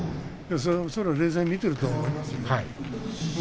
冷静に見ていると思いますよ。